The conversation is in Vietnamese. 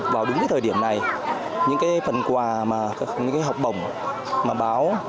vào đúng cái thời điểm này những cái phần quà mà những học bổng mà báo